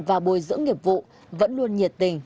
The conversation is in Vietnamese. và bồi sử nghiệp vụ vẫn luôn nhiệt tình